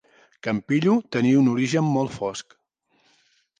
Campillo tenia un origen molt fosc.